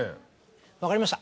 分かりました。